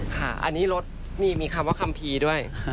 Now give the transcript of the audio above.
ค่ะอันนี้รถนี่มีคำว่าคัมภีร์ด้วย